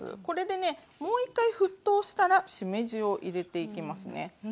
これでねもう一回沸騰したらしめじを入れていきますね。